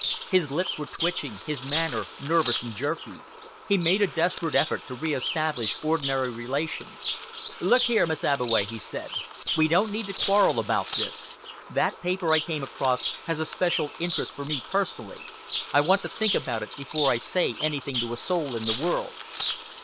His lips were twitching, his manner nervous and jerky. He made a desperate effort to reestablish ordinary relations. "Look here, Miss Abbeway," he said, "we don't need to quarrel about this. That paper I came across has a special interest for me personally. I want to think about it before I say anything to a soul in the world."